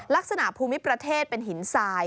ลักษณะภูมิประเทศเป็นหินทราย